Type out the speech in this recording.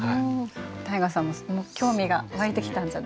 汰雅さんも興味が湧いてきたんじゃない？